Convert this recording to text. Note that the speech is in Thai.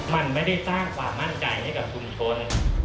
มันไม่ได้สร้างความมั่นใจให้กับชุมชน